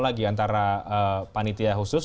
lagi antara panitia khusus